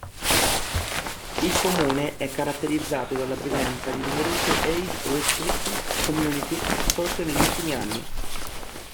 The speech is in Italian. Il comune è caratterizzato dalla presenza di numerose "Age-restricted community", sorte negli ultimi anni.